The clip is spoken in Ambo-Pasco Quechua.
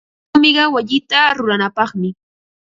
Rumiqa wayita ruranapaqmi.